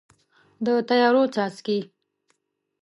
د تیارو څاڅکي